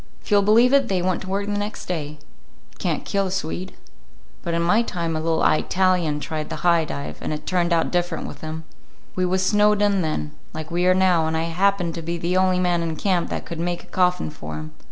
If you'll believe it, they went to work the next day. You can't kill a Swede. But in my time a little Eyetalian tried the high dive, and it turned out different with him. We was snowed in then, like we are now, and I happened to be the only man in camp that could make a coffin for him.